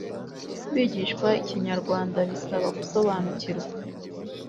kwigishwa Ikinyarwanda bisaba gusobanukirwa